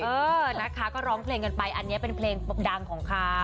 เออนะคะก็ร้องเพลงกันไปอันนี้เป็นเพลงดังของเขา